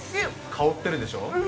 香ってるでしょう？